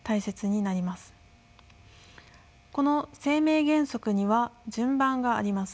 この生命原則には順番があります。